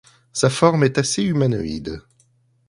Sa forme est assez humanoïde.